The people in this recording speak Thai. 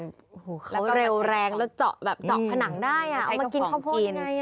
เขาเร็วแรงแล้วเจาะผนังได้เอามากินข้าวโพดอย่างไร